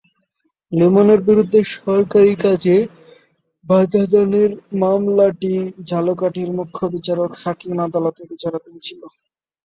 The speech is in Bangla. লিমনের বিরুদ্ধে সরকারি কাজে বাধাদানের মামলাটি ঝালকাঠির মুখ্য বিচারিক হাকিম আদালতে বিচারাধীন ছিল।